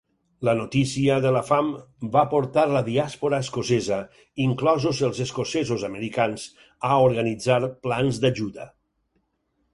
La notícia de la fam va portar la diàspora escocesa, inclosos els escocesos-americans, a organitzar plans d'ajuda.